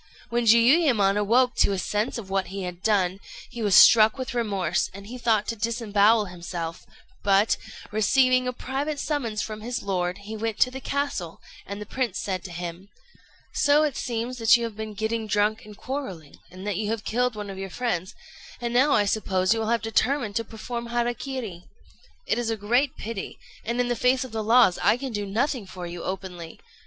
When Jiuyémon awoke to a sense of what he had done, he was struck with remorse, and he thought to disembowel himself; but, receiving a private summons from his lord, he went to the castle, and the prince said to him "So it seems that you have been getting drunk and quarrelling, and that you have killed one of your friends; and now I suppose you will have determined to perform hara kiri. It is a great pity, and in the face of the laws I can do nothing for you openly.